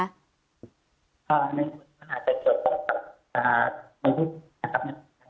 อ๋อครับครับ